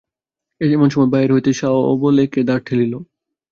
এমন সময়ে বাহির হইতে সবলে কে দ্বার ঠেলিল।